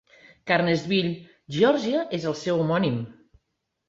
Carnesville, Geòrgia és el seu homònim.